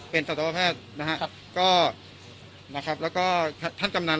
เป็นสัตวแพทย์นะครับก็นะครับแล้วก็ท่านกำนัน